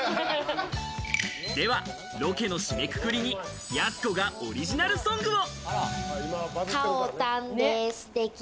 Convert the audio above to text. ではロケの締めくくりに、やす子がオリジナルソングを。